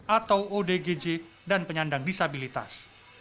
atau odgj dan penyandang disabilitas